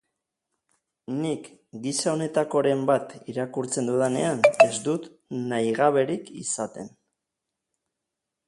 Nik, gisa honetakoren bat irakurtzen dudanean, ez dut nahigaberik izaten.